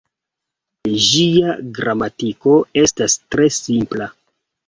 Ĝia gramatiko estas tre simpla.